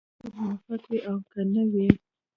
که موفق وي او که نه وي.